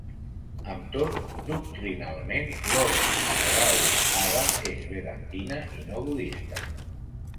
Amb tot, doctrinalment l'obra de Gaudapada és vedantina i no budista.